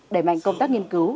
đẩy mạnh công tác nghiên cứu